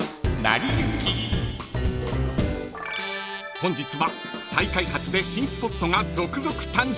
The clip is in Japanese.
［本日は再開発で新スポットが続々誕生］